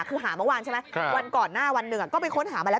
คือหาเมื่อวานใช่ไหมวันก่อนหน้าวันหนึ่งก็ไปค้นหามาแล้ว